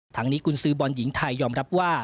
ทั้งนี้กุญซือบอลหญิงไทยยอมรับว่า